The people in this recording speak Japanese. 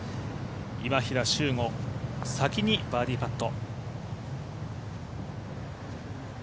今平周吾、先にバーディーパット。